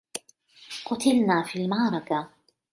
قُتلتا في المعركة.